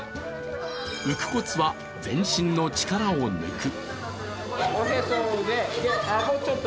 浮くコツは全身の力を抜く。